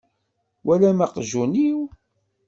Twalam aqjun-iw?